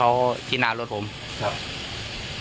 พี่รามยอมรับหนึ่งสิ่งที่พี่รามทำดูไปว่ามันแรงไปนะครับ